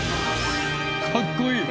かっこいい。